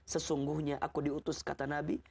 sesungguhnya aku diutus kata nabi